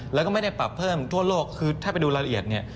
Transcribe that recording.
แล้วก็ไม่ได้ปรับเพิ่มทั่วโลกคือถ้าไปดูรายละเอียดเนี่ย